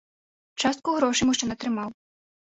Частку грошай мужчына атрымаў.